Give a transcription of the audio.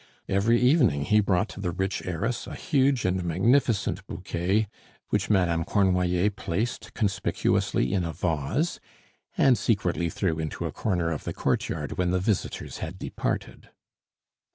Every evening he brought the rich heiress a huge and magnificent bouquet, which Madame Cornoiller placed conspicuously in a vase, and secretly threw into a corner of the court yard when the visitors had departed.